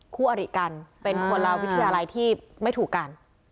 คู่อริกันเป็นคนละวิทยาลัยที่ไม่ถูกกัน